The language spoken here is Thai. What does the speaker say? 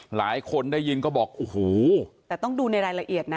หลายคนได้ยินก็บอกโอ้โหแต่ต้องดูในรายละเอียดนะ